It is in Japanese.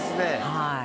はい。